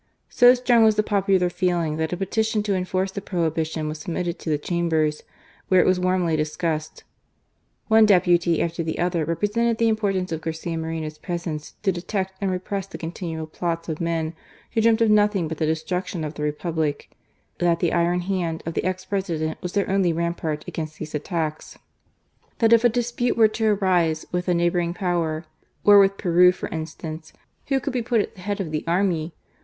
So strong was the popular feeling, that a petition to enforce the prohibition was submitted to the Chambers, where it was warmly discussed. One deputy after the other represented the importance of Garcia Moreno's presence to detect and repress the continual plots of men who dreamt of nothing but the destruction of the Republic ; that the " iron hand " of the ex President was their only rampart against these attacks; that if a dispute were to arise with a neighbouring power — war with Peru, for instance — who could be put at the head of the army